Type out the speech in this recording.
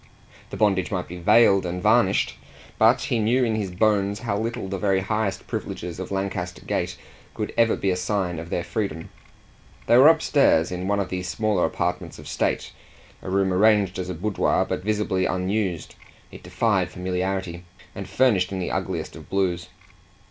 The bondage might be veiled and varnished, but he knew in his bones how little the very highest privileges of Lancaster Gate could ever be a sign of their freedom. They were upstairs, in one of the smaller apartments of state, a room arranged as a boudoir, but visibly unused it defied familiarity and furnished in the ugliest of blues.